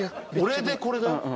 俺でこれだよ？